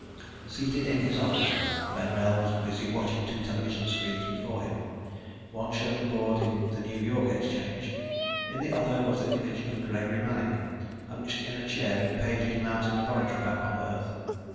Seated in his office, Ben Wrail was busy watching two television screens before him. One showed the board in the New York exchange. In the other was the image of Gregory Manning, hunched in a chair in Page's mountain laboratory back on Earth.